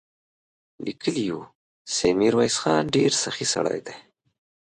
ليکلي يې و چې ميرويس خان ډېر سخي سړی دی.